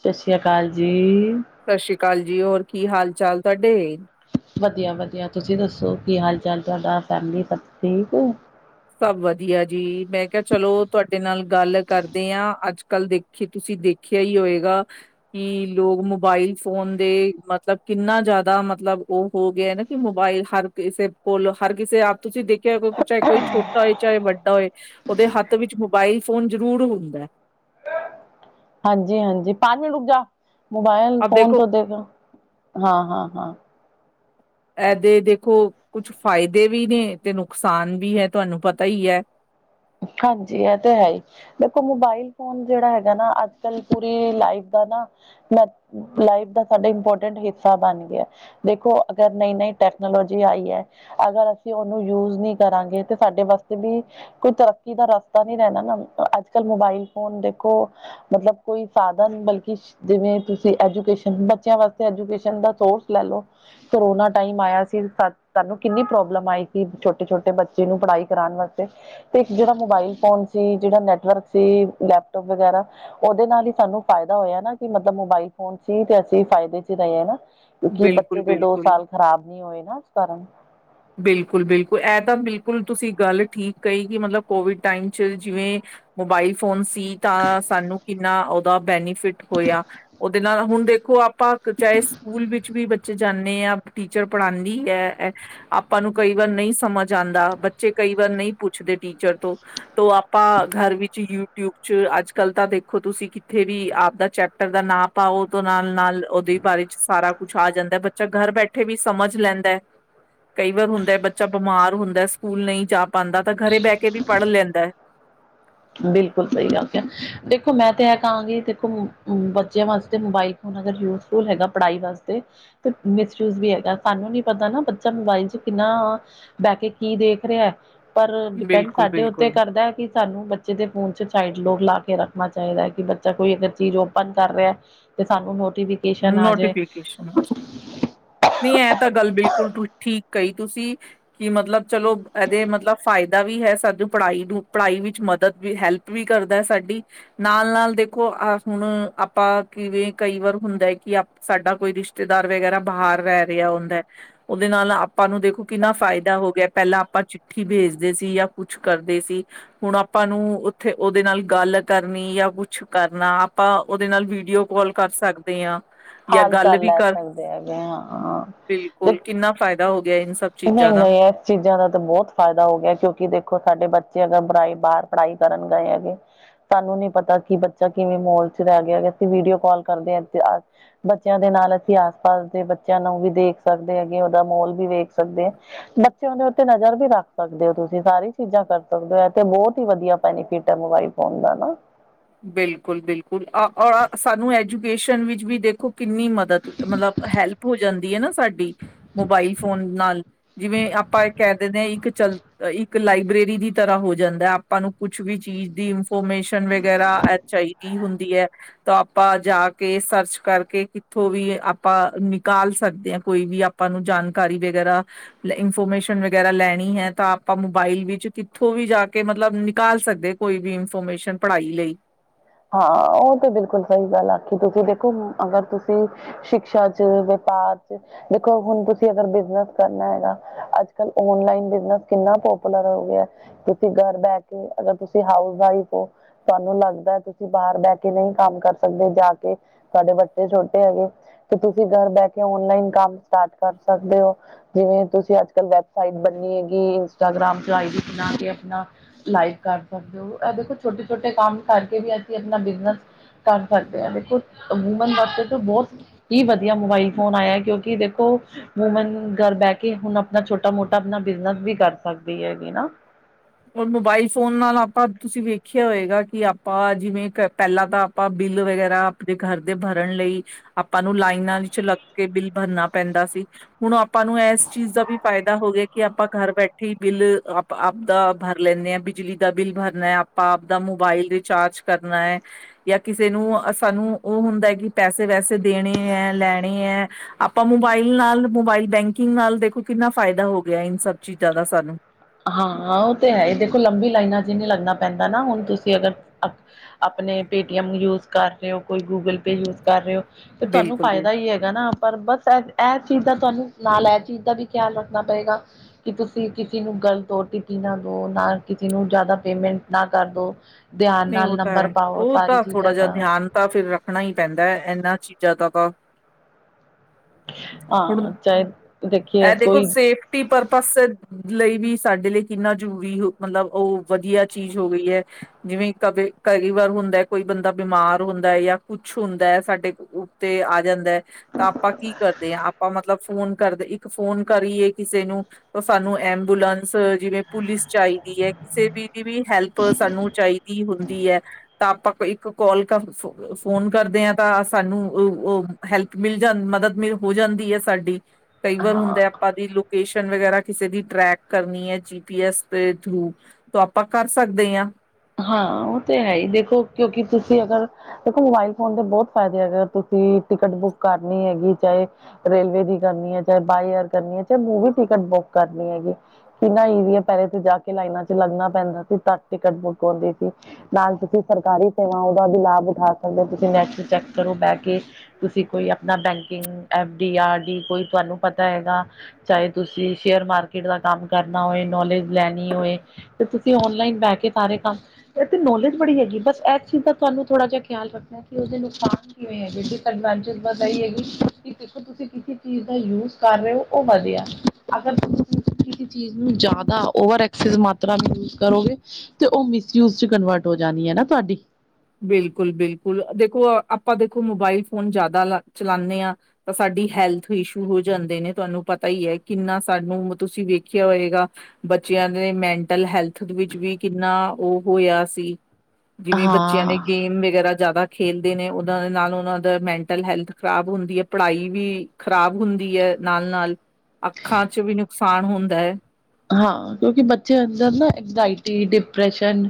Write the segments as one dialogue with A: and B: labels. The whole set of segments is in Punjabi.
A: ਸਤਿ ਸ਼੍ਰੀ ਅਕਾਲ ਜੀ
B: ਸਤਿ ਸ੍ਰੀ ਅਕਾਲ ਜੀ ਹੋਰ ਕੀ ਹਾਲ ਚਾਲ ਤੁਹਾਡੇ
A: ਵਧਆ ਵਧੀਆ ਤੁਸੀਂ ਦੱਸੋ ਕੀ ਹਾਲ ਚਾਲ ਤੁਹਾਡਾ ਫੈਮ ਸਭ ਠੀਕ
B: ਸਭ ਵਧੀਆ ਜੀ ਮੈਂ ਕਿਹਾ ਚਲੋ ਤੁਹਾਡੇ ਨਾਲ ਗੱਲ ਕਰਦੇ ਹਾਂ ਅੱਜ ਕੱਲ੍ਹ ਦੇਖੀ ਤੁਸੀਂ ਦੇਖਿਆ ਹੀ ਹੋਏਗਾ ਕਿ ਲੋਕ ਮੋਬਾਇਲ ਫੋਨ ਦੇ ਮਤਲਬ ਕਿੰਨਾ ਜ਼ਿਆਦਾ ਮਤਲਬ ਉਹ ਹੋ ਗਿਆ ਨਾ ਕਿ ਮੋਬਾਇਲ ਹਰ ਕਿਸੇ ਕੋਲ ਹਰ ਕਿਸੇ ਆਪ ਤੁਸੀਂ ਦੇਖਿਆ ਕਿਉਂ ਚਾਹੇ ਕੋਈ ਛੋਟ ਛਾ ਹੋਏ ਚਾਹੇ ਵੱਡਾ ਹੋਏ ਉਹਦੇ ਹੱਥ ਵਿਚ ਮੋਬਾਇਲ ਫੋਨ ਜ਼ਰੂਰ ਹੁੰਦਾ ਹੈ
A: ਹਾਂਜੀ ਹਾਂਜੀ ਪੰਜ ਮਿੰਟ ਰੁਕਜਾ ਮੋਬਾਇਲ ਫੋਨ ਤੋਂ ਦੇਖੋ ਹਾਂ ਹਾਂ ਹਾਂ
B: ਇਹਦੇ ਦੇਖੋ ਕੁਛ ਫਾਇਦੇ ਵੀ ਨੇ ਤੇ ਨੁਕਸਾਨ ਵੀ ਹੈ ਤੁਹਾਨੂੰ ਪਤਾ ਹੀ ਹੈ
A: ਹਾਂਜੀ ਇਹ ਤੇ ਹੈ ਹੀ ਦੇਖੋ ਮੋਬਾਈਲ ਫੋਨ ਜਿਹੜਾ ਹੈਗਾ ਨਾ ਅੱਜ ਕੱਲ ਪੂਰੀ ਲਾਈਫ ਦਾ ਮ ਲਾਈਫ ਦਾ ਸਾਡਾ ਇੰਪੋਰਟੈਂਟ ਹਿੱਸਾ ਬਣ ਗਿਆ ਦੇਖੋ ਅਗਰ ਨਹੀਂ ਨਹੀਂ ਟੈਕਨੋਲੋਜੀ ਆਈ ਹੈ ਅਗਰ ਅਸੀਂ ਉਹਨੂੰ ਯੂਜ ਨਹੀਂ ਕਰਾਂਗੇ ਤੇ ਸਾਡੇ ਵਾਸਤੇ ਵੀ ਕੋਈ ਤਰੱਕੀ ਦਾ ਰਸਤਾ ਨੀ ਰਹਿਣਾ ਨਾ ਅੱਜ ਕੱਲ ਮੋਬਾਈਲ ਫੋਨ ਦੇਖੋ ਮਤਲਬ ਕੋਈ ਸਾਧਨ ਬਲਕਿ ਜਿਵੇਂ ਤੁਸੀਂ ਐਜੂਕੇਸ਼ਨ ਬੱਚਿਆਂ ਵਾਸਤੇ ਐਜੂਕੇਸ਼ਨ ਦਾ ਸੋਰਸ ਲੈ ਲਓ ਕਰੋਨਾ ਟ ਆਇਆ ਸੀ ਸਾਨੂੰ ਕਿੰਨੀ ਪ੍ਰੋਬਲਮ ਆਈ ਸੀ ਛੋਟੇ ਛੋਟੇ ਬੱਚੇ ਨੂੰ ਪੜ੍ਹਾਈ ਕਰਾਉਣ ਵਾਸਤੇ ਤੇ ਜਿਹੜਾ ਮੋਬਾਇਲ ਫੋਨ ਸੀ ਜਿਹੜਾ ਨੈਟਵਰਕ ਸੀ ਲੈਪਟੋਪ ਵਗੈਰਾ ਉਹਦੇ ਨਾਲ ਹੀ ਸਾਨੂੰ ਫਾਇਦਾ ਹੋਇਆ ਨਾ ਕਿ ਮਤਲਬ ਮੋਬਾਈਲ ਫੋਨ ਚ ਹੀ ਤੇ ਅਸੀਂ ਫਾਇਦੇ ਚ ਰਹੇ ਹਾਂ ਨਾ ਕਿਉਂਕਿ
B: ਬਿਲਕੁਲ
A: ਬੱਚੇ ਦੇ ਦੋ
B: ਬਿਲਕੁਲ
A: ਸਾਲ ਖ਼ਰਾਬ ਨਹੀਂੀ ਹੋਏ ਨਾ ਇਸ ਕਾਰਨ
B: ਬਿਲਕੁਲ ਬਿਲਕੁਲ ਇਹ ਤਾਂ ਬਿਲਕੁਲ ਤੁਸੀਂ ਗੱਲ ਠੀਕ ਕਹੀ ਕਿ ਮਤਲਬ ਕੋਵਿਡ ਟਾਈਮ 'ਚ ਜਿਵੇਂ ਮੋਬਾਈਲ ਫੋਨਸ ਤਾਂ ਸਾਨੂੰ ਕਿੰਨਾ ਉਹਦਾ ਬੈਨੀਫਿਟ ਹੋਇਆ ਉਹਦੇ ਨਾਲ ਹੁਣ ਦੇਖੋ ਆਪ ਆਪਾਂ ਚਾਹੇ ਸਕੂਲ ਵਿੱਚ ਵੀ ਬੱਚੇ ਜਾਂਦੇ ਆ ਟੀਚਰ ਪੜਾਉਂਦੀ ਹੈ ਆਪਾਂ ਨੂੰ ਕਈ ਵਾਰ ਨਹੀਂ ਸਮਝ ਆਉਂਦਾ ਬੱਚੇ ਕਈ ਵਾਰ ਨਹੀਂ ਪੁੱਛਦੇ ਟੀਚਰ ਤੋਂ ਤੋ ਆਪਾਂਰ ਵਿੱਚ ਯੂਟਿਊਬ ਚ ਅੱਜ ਕੱਲ ਤਾਂ ਦੇਖੋ ਤੁਸੀਂ ਕਿੱਥੇ ਵੀ ਆਪਦਾ ਚੈਪਟਰ ਦਾ ਨਾਂ ਪਾਓ ਤੋਂ ਨਾਲ ਨਾਲ ਉਹਦੇ ਬਾਰੇ ਚ ਸਾਰਾ ਕੁਛ ਆ ਜਾਂਦਾ ਬੱਚਾ ਘਰ ਬੈਠੇ ਵੀ ਸਮਝ ਲੈਂਦਾ ਹੈ ਕਈ ਵਾਰ ਹੁੰਦਾ ਬੱਚਾ ਬਿਮਾਰ ਹੁੰਦਾ ਸਕੂਲ ਨਹੀਂ ਜਾ ਪਾਉਂਦਾ ਤਾਂ ਘਰੇ ਬਹਿ ਕੇ ਵੀ ਪੜ੍ਹ ਲੈਂਦਾ [inaudible]
A: ਬਿਲਕੁਲ ਸਹੀ ਗੱਲ ਕ ਦੇਖੋ ਮੈਂ ਤੇ ਇਹ ਕਹਾਂਗੀ ਦੇਖੋ ਬੱਚਿਆਂ ਵਾਸਤੇ ਮੋਬਾਈਲ ਫੋ ਯੂਜਫੁਲ ਹੈਗਾ ਪੜ੍ਹਾਈ ਵਾਸਤੇ ਤੇ ਮਿਸਯੂਜ ਵੀ ਹੈਗਾ ਸਾਨੂੰ ਨੀ ਪਤਾ ਨਾ ਬੱਚਾ ਮੋਬਾਇਲ ਚ ਕਿੰ ਬਹਿ ਕੇ ਕੀ ਦੇਖ ਰਿਹਾ ਪਰ ਡਿਪੈਂਡ
B: ਬਿਲਕੁਲ
A: ਸਾਡੇ ਉੱਤੇ
B: ਬਿਲਕੁਲ
A: ਕਰਦਾ ਕਿ ਸਾਨੂੰ ਸਡੇ ਫੋਨ ਚ ਲਾ ਕੇ ਰੱਖਣਾ ਚਾਹੀਦਾ ਕਿ ਬੱਚਾ ਕੋਈ ਅ ਚੀਜ਼ ਓਪਨ ਕਰ ਰਿਹਾ ਤੇ ਸਾਨੂੰ ਨੋਟੀਫਿਕੇਸ਼ਨ ਆ ਜਾਏ
B: ਨੋਟੀਫਿਕੇਸ਼ਨ ਨਹੀਂ ਇਹ ਤਾਂ ਗੱਲ ਬਿਲਕੁਲ ਠੀਕ ਕਈ ਤੁਸੀਂ ਕਿ ਮਤਲਬ ਚਲੋ ਇਹਦੇ ਮਤਲਬ ਫਾਇਦਾ ਵੀ ਹੈ ਸਾਨੂੰ ਪੜ੍ਹਾਈ ਨੂੰ ਪੜ੍ਹਾਈ ਵਿੱਚ ਮਦਦ ਵੀ ਹੈਲਪ ਵੀ ਕਰਦਾ ਸਾਡੀ ਨਾਲ-ਨਾਲ ਦੇਖੋ ਅਹ ਹੁਣ ਆਪਾਂ ਕਿਵੇਂ ਕਈ ਵਾਰ ਹੁੰਦਾ ਹੈ ਕਿ ਸਾਡਾ ਕੋਈ ਰਿਸ਼ਤੇਦਾਰ ਵਗੈਰਾ ਬਾਹਰ ਰਹਿ ਰਿਹਾ ਹੁੰਦਾ ਹੈ ਉਹਦੇ ਨਾਲ ਆਪਾਂ ਨੂੰ ਦੇਖੋ ਕਿੰਨਾ ਫ਼ਾਇਦਾ ਹੋ ਗਿਆ ਪਹਿਲਾਂ ਆਪਾਂ ਚਿੱਠੀ ਭੇਜਦੇ ਸੀ ਜਾਂ ਕੁਛ ਕਰਦੇ ਸੀ ਹੁਣ ਆਪਾਂ ਨੂੰ ਉੱਥੇ ਉਹਦੇ ਨਾਲ ਗੱਲ ਕਰਨੀ ਜਾਂ ਕੁਛ ਕਰਨਾ ਆਪਾਂ ਉਹਦੇ ਨਾਲ ਵੀਡੀਓ ਕਾਲ ਕਰ ਸਕਦੇ ਹਾਂ ਜਾਂ
A: ਹਾਲ
B: ਗੱਲ
A: ਚਾਲ
B: ਵੀ
A: ਲੈ
B: ਕਰ
A: ਸਕਦੇ ਹੈਗੇ ਹਾਂ ਦੇ
B: ਬਿਲਕੁਲ ਕਿੰਨਾ ਫਾਇਦਾ ਹੋ ਗਿਆ ਇਨ ਸਭ ਚੀਜ਼ਾਂ ਦਾ
A: ਨਹੀਂ-ਨਹੀਂ ਇਸ ਚੀਜ਼ਾਂ ਦਾ ਤਾਂ ਬਹੁਤ ਫਾਇਦਾ ਹੋ ਗਿਆ ਕਿਉਂਕਿ ਦੇਖੋ ਸਾਡੇ ਬੱਚੇ ਹੈ ਬੁਰਾਈ ਬਾਹਰ ਪੜ੍ਹਾਈ ਕਰਨ ਗਏ ਹੈਗੇ ਤੁਹਾਨੂੰ ਨੀ ਪਤਾ ਕਿ ਬੱਚਾ ਕਿਵੇਂ ਮੋਲ ਚ ਰਹਿ ਗਿਆ ਹੈ ਅਸੀਂ ਵੀਡੀਓ ਕਾਲ ਕਰਦੇ ਹਾਂ ਤੇ ਬੱਚਿਆਂ ਦੇ ਨਾਲ ਅਸੀਂ ਆਸ ਪਾਸ ਦੇ ਬੱਚਿਆਂ ਨੂੰ ਵੀ ਦੇਖ ਸਕਦੇ ਹ ਅਗੇ ਉਹਦਾ ਮੋਲ ਵੀ ਵੇਖ ਸਕਦੇ ਹ ਬੱਚਿਆਂ ਦੇ ਉੱਤੇ ਨਜ਼ਰ ਵੀ ਰੱਖ ਸਕਦੇ ਹੋ ਤੁਸੀਂ ਸਾਰੀ ਚੀਜ਼ਾਂ ਕਰ ਸਕਦੇ ਹੋ ਤੇ ਬਹੁਤ ਹੀ ਵਧੀਆ ਬੈਨੀਫਿਟ ਹੈ ਮੋਬਾਈਲ [inaudible]
B: ਬਿਲਕੁਲ-ਬਿਲਕੁਲ ਔਰ ਸਾਨੂੰ ਐਜੂਕੇਸ਼ਨ ਵਿੱਚ ਵੀ ਦੇਖੋ ਕਿੰਨੀ ਮਦਦ ਮਤਲਬ ਹੈਲਪ ਹੋ ਜਾਂਦੀ ਹੈ ਨਾ ਸਾਡੀ ਮੋਬਾਇਲ ਫੋਨ ਨਾਲ ਜਿਵੇਂ ਆਪਾਂ ਕਹਿ ਦਿੰਦੇ ਹਾਂ ਇੱਕ ਚੱਲ ਇੱਕ ਲਾਇਬ੍ਰੇਰੀ ਦੀ ਤਰ੍ਹਾਂ ਹੋ ਜਾਂਦਾ ਆਪਾਂ ਨੂੰ ਕੁਛ ਵੀ ਚੀਜ਼ ਦੀ ਇਨਫੋਰਮੇਸ਼ਨ ਐਚ ਆਈ ਡੀ ਹੁੰਦੀ ਹੈ ਤਾਂ ਆਪਾਂ ਜਾ ਕੇ ਸਰਚ ਕਰਕੇ ਕਿੱਥੋਂ ਵੀ ਆਪਾਂ ਨਿਕਾਲ ਸਕਦੇ ਹ ਕੋਈ ਵੀ ਆਪਾਂ ਨੂੰ ਜਾਣਕਾਰੀ ਵਗੈਰਾ ਇਨਫੋਰਮੇਸ਼ਨ ਵਗੈਰਾ ਲੈਣੀ ਹੈ ਤਾਂ ਆਪਾਂ ਮੋਬਾਈਲ ਵਿੱਚ ਕਿੱਥੋਂ ਵੀ ਜਾ ਕੇ ਮਤਲਬ ਨਿਕਾਲ ਸਕਦੇ ਕੋਈ ਵੀ ਇਨਫੋਰਮੇਸ਼ਨ ਪੜ੍ਹਾਈ ਲਈ
A: ਹਾਂ ਉਹ ਤੇ ਬਿਲਕੁਲ ਸਹੀ ਗੱਲ ਆਖੀ ਤੁਸੀਂ ਦੇਖੋ ਅਗਰ ਤੁਸੀਂ ਸ਼ਿਕਸ਼ਾ ਚ ਦੇਖੋ ਹੁਣ ਤੁਸੀਂ ਅਗਰ ਬਿਜਨਸ ਕਰਨਾ ਹੈਗਾ ਅੱਜ ਕੱਲ ਓਨਲਾਈਨ ਬਿਜਨਸ ਕਿੰਨਾ ਪੋਪੂਲਰ ਹੋ ਗਿਆ ਤੁਸੀਂ ਘਰ ਬਹਿ ਕੇ ਅਗਰ ਤੁਸੀਂ ਹਾਊਸ ਵਾਈਫ ਹੋ ਤੁਹਾਨੂੰ ਲੱਗਦਾ ਤੁਂ ਤੁਸੀਂ ਬਾਹਰ ਬਹਿ ਕੇ ਨਹੀਂ ਕੰਮ ਕਰ ਸਕਦੇ ਜਾ ਕੇ ਤੁਹਾਡੇ ਬੱਚੇ ਛੋਟੇ ਹੈਗੇ ਤੇ ਤੁਸੀਂ ਘਰ ਬਹਿ ਕੇ ਓਨਲਾਈਨ ਕੰਮ ਸਟਾਰਟ ਕਰ ਸਕਦੇ ਹੋ ਜਿਵੇਂ ਤੁਸੀਂ ਅੱਜ ਕੱਲ ਵੈਬਸਾਈਟ ਬਣਨੀ ਹੈਗੀ ਇੰਸਟਾਗ ਗ੍ਰੰ ਚ ਇ ਡੀ ਬਣਾ ਕੇ ਆਪਣਾ ਲਾਈਵ ਕਰ ਸਕਦੇ ਹੋ ਦੇਖੋ ਛੋਟੇ-ਛੋਟੇ ਕੰਮ ਕਰਕੇ ਵੀ ਆਪਣਾ ਬਿਜਨਸ ਕਰ ਸਕਦੇ ਆ ਦੇਖੋ ਵੋਮੈਨ ਵਾਸਤੇ ਬਹੁਤ ਹੀ ਵਧੀਆ ਮੋਬਾਈਲ ਫੋਨ ਆਇਆ ਕਿਉਂਕਿ ਦੇਖ ਵੂਮਨ ਘਰ ਬਹਿ ਕੇ ਹੁਣ ਆਪਣਾ ਛੋਟਾ ਮੋਟਾ ਆਪਣਾ ਬਿਜਨਸ ਵੀ ਕਰ ਸਕਦੇ ਹੈਗੇ ਨਾ
B: ਰ ਮੋਬਾਇਲ ਫੋਨ ਨਾਲ ਆਪਾਂ ਤੁਸੀਂ ਵੇਖਿਆ ਹੋਏਗਾ ਕਿ ਆਪਾਂ ਜਿਵੇਂ ਪਹਿਲਾਂ ਤਾਂ ਆਪਾਂ ਬਿੱਲ ਵਗੈਰਾ ਆਪਣੇ ਘਰ ਦੇ ਭਰਨ ਲਈ ਆਪਾਂ ਨੂੰ ਲਾਈਨਾਂ ਵਿੱਚ ਲੱਗ ਕੇ ਬਿੱਲ ਭਰਨਾ ਪੈਂਦਾ ਸੀ ਹੁਣ ਆਪਾਂ ਨੂੰ ਇਸ ਚੀਜ਼ ਦਾ ਵੀ ਫਾਇਦਾ ਹੋ ਗਿਆ ਕਿ ਆਪਾਂ ਘਰ ਬੈਠੇ ਹੀ ਬਿੱਲ ਆਪ ਆਪਦਾ ਭਰ ਲੈਂਦੇ ਹਾਂ ਬਿਜਲੀ ਦਾ ਬਿੱਲ ਭਰਨਾ ਹੈ ਆਪਾਂ ਆਪ ਦਾ ਮੋਬਾਈਲ ਰਿਚਾਰਜ ਕਰਨਾ ਹੈ ਜਾਂ ਕਿਸੇ ਨੂੰ ਸਾਨੂੰ ਉਹ ਹੁੰਦਾ ਕਿ ਪੈਸੇ ਵੈਸੇ ਦੇਣੇ ਹੈ ਲੈਣੇ ਹੈ ਆਪਾਂ ਮੋਬਾਈਲ ਨਾਲ ਮੋਬਾਈਲ ਬੈਂਕਿੰਗ ਨਾਲ ਦੇਖੋ ਕਿੰਨਾ ਫਾਇਦਾ ਹੋ ਗਿਆ ਇਨ ਸਬ ਚੀਜ਼ਾਂ ਦਾ ਸਾਨੂੰ
A: ਹਾਂ ਉਹ ਤੇ ਹੈ ਇਹ ਦੇਖੋ ਲੰਬੀ ਲਾਈਨਾਂ ਚ ਨਹੀ ਲੱਗਣਾ ਪੈਂਦਾ ਨਾ ਹੁਣ ਤੁਸੀਂ ਅਗਰ ਆਪਣੇ ਪੇਟੀਐੱਮ ਯੂਜ਼ ਕਰ ਰਹੇ ਹੋ ਕੋਈ ਗੂਗਲ ਪੇ ਯੂਜ਼ ਕਰ ਰਹੇ ਹੋ ਤੇ ਤੁਹਾਨੂੰ
B: ਬਿਲਕੁਲ ਬਿਲਕੁਲ
A: ਫਾਇਦਾ ਹੀ ਹੈਗਾ ਨਾ ਪਰ ਬਸ ਚੀਜ਼ ਦਾ ਤੁਹਾਨੂੰ ਨਾ ਲੈ ਚੀਜ਼ ਦਾ ਵੀ ਖਿਆਲ ਰੱਖਣਾ ਪਏਗਾ ਕਿ ਤੁਸੀਂ ਕਿਸੇ ਨੂੰ ਗਲਤ ਓ ਟੀ ਪੀ ਨਾ ਦੋ ਨਾ ਕਿਸੇ ਨੂੰ ਜ਼ਿਆਦਾ ਪੇਮੈਂਟ ਨਾ ਕਰ ਦੋ ਧਿਆਨ
B: ਨਹੀਂ
A: ਨਾਲ
B: ਉਹ ਤਾਂ
A: ਨੰਬਰ
B: ਹੈ
A: ਪਾਓ
B: ਉਹ
A: ਸਾਰੀ
B: ਤਾਂ ਥੋੜ੍ਹਾ
A: ਚੀਜ਼ਾਂ
B: ਜਿਹਾ
A: ਦਾ
B: ਧਿਆਨ ਤਾਂ ਫਿਰ ਰੱਖਣਾ ਹੀ ਪੈਂਦਾ ਹੈ ਇਹਨਾਂ ਚੀਜ਼ਾਂ ਦਾ ਤਾਂ ਹੁਣ
A: ਹਾਂ ਚਾਹੇ ਦੇਖੀਏ
B: ਇਹ ਦੇਖੋ
A: ਕੋਈ
B: ਸੇਫਟੀ ਪਰ ਬਸ ਲਈ ਵੀ ਸਾਡੇ ਲਈ ਕਿੰਨਾ ਜ਼ਰੂਰੀ ਮਤਲਬ ਉਹ ਵਧੀਆ ਚੀਜ਼ ਹੋ ਗਈ ਹੈ ਜਿਵੇਂ ਕ ਕਈ ਵਾਰ ਹੁੰਦਾ ਕੋਈ ਬੰਦਾ ਬਿਮਾਰ ਹੁੰਦਾ ਜਾਂ ਕੁਛ ਹੁੰਦਾ ਹੈ ਸਾਡੇ ਉੱਤੇ ਆ ਜਾਂਦਾ ਹੈ ਤਾਂ ਆਪਾਂ ਕੀ ਕਰਦੇ ਹਾਂ ਆਪਾਂ ਮਤਲਬ ਫੋਨ ਕਰਦੇ ਇੱਕ ਫੋਨ ਕਰੀਏ ਕਿਸੇ ਨੂੰ ਸਾਨੂੰ ਐਬੂਲੈਂਸ ਜਿਵੇਂ ਪੁਲਿਸ ਚ ਆਈ ਕਿਸੇ ਵੀ ਦੀ ਵੀ ਹੈਲਪ ਸਾਨੂੰ ਚਾਹੀਦੀ ਹੁੰਦੀ ਹੈ ਤਾਂ ਆਪਾਂ ਕੋ ਇੱਕ ਕਾਲ ਫੋਨ ਕਰਦੇ ਹ ਤਾਂ ਸਾਨੂੰ ਉਹ ਹੈਲਪ ਮਿਲ ਜਾਂਦੀ ਮਦਦ ਮੇਿਲ ਹੋ ਜਾਂਦੀ ਹੈ ਸਾਡੀ ਕਈ ਵਾਰ
A: ਹਾਂ
B: ਹੁੰਦਾ ਆਪਾਂ ਦੀ ਪੇਸ਼ੈਂਟ ਵਗੈਰਾ ਕਿਸੇ ਦੀ ਟ੍ਰੈਕ ਕਰਨੀ ਹੈ ਜੀ ਪੀ ਐਸ ਦੇ ਥਰੂ ਤੋਂ ਆਪਾਂ ਕਰ ਸਕਦੇ ਹ
A: ਹਾਂ ਉਹ ਤੇ ਹੈ ਹੀ ਦੇਖੋ ਕਿਉਂਕਿ ਤੁਸੀਂ ਅਗਰ ਦੇਖੋ ਮੋਬਾਇਲ ਫੋਨ ਦੇ ਬਹੁਤ ਫ਼ਾਇਦੇ ਅਗਰ ਤੁਂ ਤੁ ਟਿਕਟ ਬੁੱਕ ਕਰਨੀ ਹੈਗੀ ਚਾਹੇ ਰੇਲਵੇ ਦੀ ਕਰਨੀ ਹੈ ਚਾਹੇ ਬਾਏ ਏਅਰ ਕਰਨੀ ਹੈ ਚਾਹੇ ਮੂਵ ਵੀ ਟਿਕਟ ਟਿਕਟ ਬੁੱਕ ਕਰਨੀ ਹੈਗੀ ਕਿਨਾ ਪੈਰੇ ਤੇ ਜਾ ਕੇ ਲਾਈਨਾਂ ਚ ਲੱਗਣਾ ਪੈਂਦਾ ਸੀ ਤ ਟਿਕਟ ਬੁੱਕ ਸੀ ਨਾਲ ਤੁਸੀਂ ਸਰਕਾਰੀ ਸੇਵਾ ਉਹਦਾ ਵੀ ਲਾਭ ਉਠਾ ਸਕਦੇ ਹੋ ਤੁਸੀਂ ਨੈਕਸਟ ਚੈੱਕ ਕਰੋ ਬਹਿ ਕੇ ਤੁਸੀਂ ਕੋਈ ਆਪਣਾ ਬੈਂਕਿੰਗ ਡੀ ਆਰ ਡੀ ਕੋਈ ਤੁਹਾਨੂੰ ਪਤਾ ਹੈਗਾ ਚਾਹੇ ਤੁਸੀਂ ਸ਼ੇਅਰ ਮਾਰਕੀਟ ਦਾ ਕੰਮ ਕਰਨਾ ਹੋਏ ਨੌਲੇਜ ਲੈਣੀ ਹੋਏ ਤੇ ਤੁਸੀਂ ਔਨਲਾਈਨ ਬਹਿ ਕੇ ਸਾਰੇ ਕੰਮ ਇਹ ਤੇ ਨੋਲੇਜ ਬੜੀ ਹੈਗੀ ਬਸ ਇਸ ਚੀਜ਼ ਦਾ ਤੁਹਾਨੂੰ ਥੋੜਾ ਜਿਹਾ ਖਿਆਲ ਰੱਖਣਾ ਕਿ ਉਸਦੇ ਨੁਕਸਾਨ ਕੀ ਹੋ ਜਿਹਡਵੈਂਚ ਵਧਾਈ ਹੈਗੀ ਕਿ ਦੇਖੋ ਤੁਸੀਂ ਕਿਸੇ ਚੀਜ਼ ਦਾ ਯੂਜ ਕਰ ਰਹੇ ਹੋ ਉਹ ਵਧੀਆ ਅਗਰ ਤੁਸੀਂੀ ਚੀਜ਼ ਨੂੰ ਜ਼ਿਆਦਾ ਓਵਰ ਐਕਸ ਮਾਤਰਾ ਯੂਜ ਕਰੋਗੇ ਤੇ ਉਹ ਮਿਸਯੂਜ ਚ ਕਨਵਰਟ ਹੋ ਜਾਣੀ ਹੈ ਨਾ ਤੁਹਾਡੀ
B: ਬਿਲਕੁਲ ਬਿਲਕੁਲ ਦੇਖੋ ਆਪਾਂ ਦੇਖੋ ਮੋਬਾਇਲ ਫੋਨ ਜ਼ਿਆਦਾ ਚਲਾਉਦੇ ਹਾਂ ਤਾਂ ਸਾਡੇ ਹੈਲਥ ਇਸ਼ੂ ਹੋ ਜਾਂਦੇ ਨੇ ਤੁਹਾਨੂੰ ਪਤਾ ਹੀ ਹੈ ਕਿੰਨਾ ਸਾਨੂੰ ਤੁਸੀਂ ਵੇਖਿਆ ਹੋਏਗਾ ਬੱਚਿਆਂ ਦੇ ਮੈਂਟਲ ਹੈਲਥ ਵਿੱਚ ਵੀ ਕਿੰਨਾ ਉਹ ਹੋਇਆ ਸੀ। ਜਿਵੇਂ ਬੱਚਿਆਂ ਨੇ
A: ਹਾਂ
B: ਗੇਮ ਵਗੈਰਾ ਜ਼ਿਆਦਾ ਖੇਲਦੇ ਨੇ ਉਹਨਾਂ ਦੇ ਨਾਲ ਉਹਨਾਂ ਦਾ ਮੈਂਟਲ ਹੈਲਥ ਖਰਾਬ ਹੁੰਦੀ ਹੈ। ਪੜ੍ਹਾਈ ਵੀ ਖ਼ਰਾਬ ਹੁੰਦੀ ਹੈ। ਨਾਲ -ਨਾਲ ਅੱਖਾਂ ਚ ਵੀ ਨੁਕਸਾਨ ਹੁੰਦਾ ਹੈ।
A: ਹਾਂ। ਕਿਉਂਕਿ ਬੱਚੇ ਅੰਦਰ ਨਾ ਇੰਜਾਇਟੀ, ਡਿਪ੍ਰੈਸ਼ਨ,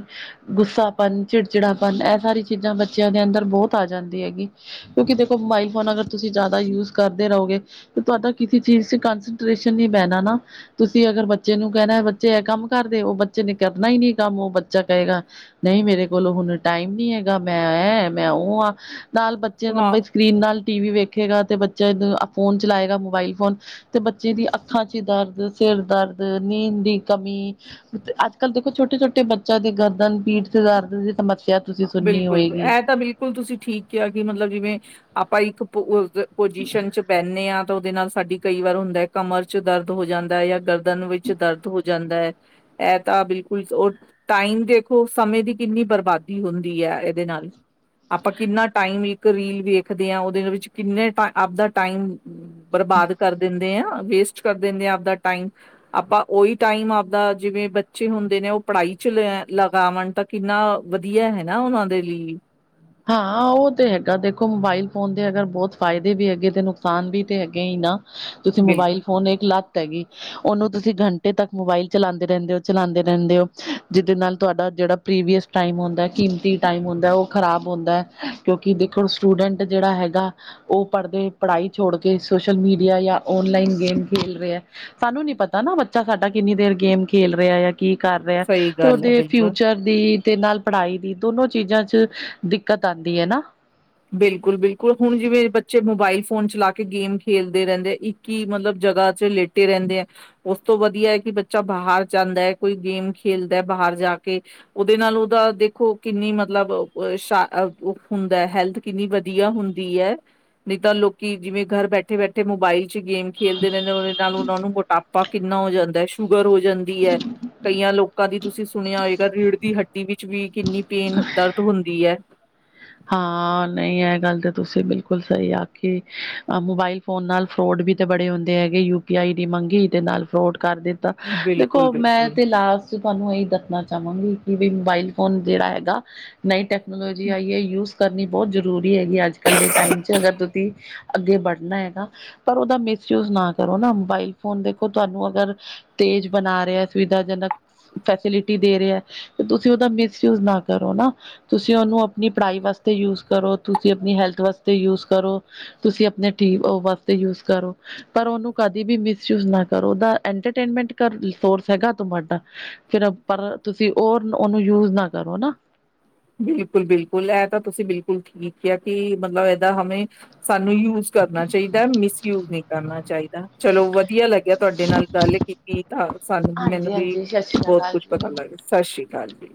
A: ਗੁੱਸਾਪਨ, ਚਿੜਚਿੜਾ ਇਹ ਸਾਰੀ ਚੀਜ਼ਾਂ ਬੱਚਿਆਂ ਦੇ ਅੰਦਰ ਬਹੁਤ ਆ ਜਾਂਦੀ ਹੈਗੀ। ਕਿਉਂਕਿ ਦੇਖੋ ਮੋਬਾਈਲ ਫੋਨ ਅਗਰ ਤੁਸੀਂ ਜ਼ਿਆਦਾ ਕਰਦੇ ਰਹੋਗੇ। ਤੁਹਾਡਾ ਕਿਸੇ ਚੀਜ਼ ਚ ਕਸਟੇਸ਼ਨ ਨ ਪੈਣਾ ਨਾ। ਤੁਸੀਂ ਅਗਰ ਬੇ ਬੱਚੇ ਨੂੰ ਕਹਿਣਾ ਬੱਚੇ ਇਹ ਕੰਮ ਕਰਦੇ ਉਹ ਬੱਚੇ ਨੇ ਕਰਨਾ ਹੀ ਨਹੀਂ, ਕੰਮ ਉਹ ਬੱਚਾ ਕਹੇਗਾ ਨਹੀਂ, ਮੇਰੇ ਕੋਲੋਂ ਹੁਣ ਟਾਈਮ ਨੀ ਹੈਗਾ। ਮੈਂ ਐ ਮੈਂ ਉਹ ਹਾਂ। ਨਾਲ ਬੱਚੇ
B: ਹਾਂ,
A: ਲੰਬੇ ਸਕਰੀਨ ਨਾਲ ਟੀ ਵੀ ਵੇਖੇਗਾ। ਤੇ ਬੱਚਾ ਫੋਨ ਚਲਾਏਗਾ। ਮੋਬਾਈਲ ਫੋਨ ਤੇ ਬੱਚੇ ਦੀ ਅੱਖਾਂ ਚ ਹੀ ਦਰਦ ਕਿਰਦਾਰ ਨੀਂਦ ਦੀ ਕਮੀ। ਅੱਜ ਕੱਲ੍ਹ ਦੇਖੋ ਛੋਟੇ- ਛੋਟੇ ਬੱਚਿਆਂ ਦੇ ਗਰਦਨ, ਪੀਠ ਤੇ ਦਰਦ ਦੀ ਸਮੱਸਿਆ ਤੁਸੀਂ ਸੁਣਨੀ
B: ਬਿਲਕੁਲ
A: ਹੋਏਗੀ
B: ਇਹ ਤਾਂ ਬਿਲਕੁਲ ਤੁਸੀਂ ਠੀਕ ਕਿਹਾ ਕਿ ਮਤਲਬ ਜਿਵੇਂ ਆਪਾਂ ਇੱਕ ਪੁਜੀਸ਼ਨ ਚ ਬਹਿਨੇ ਹਾਂ। ਤਾਂ ਉਹਦੇ ਨਾਲ ਸਾਡੀ ਕਈ ਵਾਰ ਹੁੰਦਾ ਹੈ। ਕਮਰ ਚ ਦਰਦ ਹੋ ਜਾਂਦਾ ਜਾਂ ਗਰ ਵਿੱਚ ਦਰਦ ਹੋ ਜਾਂਦਾ ਹੈ। ਇਹ ਤਾਂ ਬਿਲਕੁਲ ਰ ਟਾਈਮ ਦੇਖੋ, ਸਮੇਂ ਦੀ ਕਿੰਨੀ ਬਰਬਾਦੀ ਹੁੰਦੀ ਹੈ। ਇਹਦੇ ਨਾਲ ਆਪਾਂ ਕਿੰਨਾ ਟਮ ਇੱਕ ਰੀਲ ਵੇਖਦੇ ਆ ਓਦੇ ਵਿਚੇ ਆਪਦਾ ਟਮ ਬਰਬਾਦ ਕਰ ਦਿੰਦੇ ਆ, ਵੇਸਟ ਕਰ ਦਿੰਦੇ ਆ ਆਪਦਾ ਟਾਈਮ। ਆਪਾਂ ਉਹੀ ਟਾਈਮ ਆਪਦਾ ਜਿਵੇਂ ਬੱਚੇ ਹੁੰਦੇ ਨੇ ਉਹ ਪੜ੍ਹਾਈ ਚ ਲੈ ਲਗਾਵਣ ਤਾਂ ਕਿੰਨਾ ਵਧੀਆ ਹੈ। ਨਾ ਉਹਨਾਂ ਦੇ ਲਈ
A: ਹਾਂ। ਉਹ ਤੇ ਹੈਗਾ ਦੇਖੋ ਮੋਬਾਈਲ ਫੋਨ ਦੇ ਅਗਰ ਬਹੁਤ ਫਾਇਦੇ ਵੀ ਹੈਗੇ ਤੇ ਨੁਕਸਾਨ ਵੀ ਤੇ ਹੈਗੇ ਹੀ ਨਾ। ਤੁਸੀਂ
B: ਬਿਲਕੁਲ
A: ਮੋਬਾਇਲ ਫੋਨ ਇੱਕ ਲੱਤ ਹੈਗੀ। ਉਹਨੂੰ ਤੁਸੀਂ ਘੰਟੇ ਤੱਕ ਮੋਬਾਇਲ ਚਲਾਉਂਦੇ ਰਹਿੰਦੇ ਹੋ ਚਲਾਉਂਦੇ ਰਹਿੰਦੇ ਹੋ। ਜਿਹਦੇ ਨਾਲ ਤੁਹਾਡਾ ਜਿਹੜਾ ਪ੍ਰੀਵੀਅਸ ਟਾਈਮ ਹੁੰਦਾ। ਕੀਮਤੀ ਟਾਈਮ ਹੁੰਦਾ ਉਹ ਖਰਾਬ ਹੁੰਦਾ। ਕਿਉਂਕਿ ਦੇਖੋ ਸਟੂਡੈਂਟ ਜਿਹੜਾ ਹੈਗਾ। ਉਹ ਪੜ੍ਹਦੇ ਪੜ੍ਹਾਈ ਛੋੜ ਕੇ ਸੋਸ਼ਲ ਮੀਡੀਆ ਜਾਂ ਔਨਲਾਈਨ ਗੇਮ ਖੇਲ ਰਿਹਾ ਹੈ। ਸਾਨੂੰ ਨੀ ਪਤਾ ਨਾ ਬੱਚਾ ਸਾਡਾ ਕਿੰਨੀ ਦੇਰ ਗੇਮ ਖੇਲ ਰਿਹਾ ਹੈ। ਕੀ ਕਰ ਰਿਹਾ।
B: ਸਹੀ
A: ਤੇ
B: ਗੱਲ ਹੈ
A: ਉਹਦੇ
B: ਬਿਲਕੁਲ
A: ਫਿਊਚਰ ਦੀ ਤੇ, ਨਾਲ ਪੜ੍ਹਾਈ ਦੀ ਦੋਨੋ ਚੀਜ਼ਾਂ ਚ ਦਿੱਕਤ ਆਉਂਦੀ ਹੈ ਨਾ।
B: ਬਿਲਕੁਲ- ਬਿਲਕੁਲ ਹੁਣ ਜਿਵੇਂ ਬੱਚੇ ਮੋਬਾਈਲ ਫੋਨ ਚਲਾ ਕੇ ਗੇਮ ਖੇਲਦੇ ਰਹਿੰਦੇ ਆ ਇੱਕ ਹੀ ਮਤਲਬ ਜਗ੍ਹਾ ਚ ਲੇਟੇ ਰਹਿੰਦੇ ਆ ਉਸ ਤੋਂ ਵਧੀਆ ਕਿ ਬੱਚਾ ਬਾਹਰ ਜਾਂਦਾ ਹੈ। ਕੋਈ ਗੇਮ ਖੇਲਦਾ ਬਾਹਰ ਜਾ ਕੇ ਉਹਦੇ ਨਾਲ ਉਹਦਾ ਦੇਖੋ, ਕਿੰਨੀ ਮਤਲਬ ਸ਼ ਹੁੰਦਾ। ਹੈਲਥ ਕਿੰਨੀ ਵਧੀਆ ਹੁੰਦੀ ਹੈ। ਨਹੀਂ ਤਾਂ ਲੋਕੀ ਜਿਵੇਂ ਘਰ ਬੈਠੇ ਬੈਠੇ ਮੋਬਾਈਲ ਗੇਮ ਖੇਡਦੇ ਰਹਿੰਦੇ ਉਹਦੇ ਨਾਲ ਉਹਨਾਂ ਨੂੰ ਮੋਟਾਪਾ ਕਿੰਨਾ ਹੋ ਜਾਂਦਾ। ਸ਼ੂਗਰ ਹੋ ਜਾਂਦੀ ਹੈ। ਕਈਆਂ ਲੋਕਾਂ ਦੀ ਤੁਸੀਂ ਸੁਣਿਆ ਹੋਏਗਾ। ਰੀੜ ਦੀ ਹੱਟੀ ਵਿੱਚ ਵੀ ਕਿੰਨੀ ਪੇਨ, ਦਰਦ ਹੁੰਦੀ ਹੈ।
A: ਹਾਂ। ਨਹੀਂ, ਇਹ ਗੱਲ ਤਾਂ ਤੁਸੀਂ ਬਿਲਕੁਲ ਸਹੀ ਆਖੀ। ਮੋਬਾਈਲ ਫੋਨ ਨਾਲ ਫਰੋਡ ਵੀ ਤਾਂ ਬੜੇ ਹੁੰਦੇ ਹੈਗੇ। ਯੂ ਪੀ ਆਈ ਦੀ ਮੰਗੀ ਤੇ ਨਾਲ ਫਰੋਡ ਕਰ ਦਿੱਤਾ। ਦੇਖੋ,
B: ਬਿਲਕੁਲ-ਬਿਲਕੁਲ
A: ਮੈਂ ਤੇ ਲਾਸਟ ਤੁਹਾਨੂੰ ਇਹੀ ਦੱਸਣਾ। ਚਾਹਵਾਂਗੀ ਕਿ ਵੀ ਮੋਬਾਈਲ ਫੋਨ ਜਿਹੜਾ ਹੈਗਾ ਨਈ ਟੈਕਨੋਲੋਜੀ ਆਈ ਹੈ। ਯੂਜ ਕਰਨੀ ਬਹੁਤ ਜ਼ਰੂਰੀ ਹੈਗੀ। ਅੱਜ ਕੱਲ੍ਹ ਦੇ ਟਾਈਮ ਚ ਅਗਰ ਤੁਸੀਂ ਅੱਗੇ ਵੜਨਾ ਹੈਗਾ। ਪਰ ਉਹਦਾ ਮਿਸਯੂਜ ਨਾ ਕਰੋ ਨਾ ਮੋਬਾਇਲ ਫੋਨ ਦੇਖੋ ਤੁਹਾਨੂੰ ਅਗਰ ਜ ਬਣਾ ਰਿਹਾ ਸੁਵਿਧਾਜਨਕ ਫੈਸਿਲਿਟੀ ਦੇ ਰਿਹਾ ਹੈ। ਤੇ ਤੁਸੀਂ ਉਹਦਾ ਮਿਸਯੂਜ ਨਾ ਕਰੋ। ਨਾ ਤੁਸੀਂ ਉਹਨੂੰ ਆਪਣੀ ਪੜ੍ਹਾਈ ਵਾਸਤੇ ਯੂਜ ਕਰੋ। ਤੁਸੀਂ ਆਪਣੀ ਹੈਲਥ ਵਾਸਤੇ ਯੂਜ ਕਰੋ। ਤੁਸੀਂ ਆਪਣੇ ਟੀ ਵਾਸਤੇ ਯੂਜ ਕਰੋ। ਪਰ ਉਹਨੂੰ ਕਦੇ ਵੀ ਮਿਸਯੂਜ ਨਾ ਕਰੋ। ਉਹਦਾ ਐਟਰਟੇਨਮੈਂਟ ਕਰ ਸੋਰਸ ਹੈਗਾ ਤ ਮਾਡਾ ਫਿਰ ਪਰ ਤੁਸੀਂ ਰ ਉਹਨੂੰ ਯੂਜ ਨਾ ਕਰੋ ਨਾ।
B: ਬਿਲਕੁਲ- ਬਿਲਕੁਲ ਇਹ ਤਾਂ ਤੁਸੀਂ ਬਿਲਕੁਲ ਠੀਕ ਹੈ। ਕਿ ਮਤਲਬ ਹਾਂ ਹਵੇਂ ਸਾਨੂੰ ਯੂ ਕਰਨਾ ਚਾਹੀਦਾ। ਮਿਸਯੂਜ ਨਹੀਂ ਕਰਨਾ ਚਾਹੀਦਾ। ਚਲੋ ਵਧੀਆ ਲੱਗਿਆ ਤੁਹਾਡੇ ਨਾਲ ਗੱਲ ਕੀਤੀ। ਤਾਂ ਸਾਨੂੰ ਮੈਨੂੰ
A: ਹਾਂਜੀ
B: ਵੀ
A: ਹਾਂਜੀ ਸਤਿ ਸ਼੍ਰੀ
B: ਬਹੁਤ
A: ਅਕਾਲ
B: ਕੁਛ ਪਤਾ
A: ਜੀ
B: ਲੱਗ। ਸਤਿ ਸ੍ਰੀ ਅਕਾਲ ਜੀ।